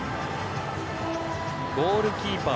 ゴールキーパー